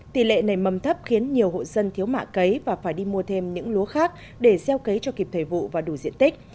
tỷ lệ nảy mầm thấp khiến nhiều hộ dân thiếu mạ cấy và phải đi mua thêm những lúa khác để gieo cấy cho kịp thời vụ và đủ diện tích